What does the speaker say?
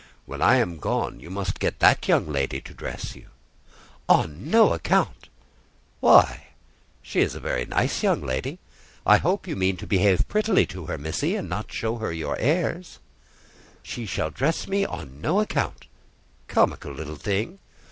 When I am gone you must get that young lady to dress you." "On no account." "Why? She is a very nice young lady. I hope you mean to behave prettily to her, Missy, and not show your airs." "She shall dress me on no account." "Comical little thing!"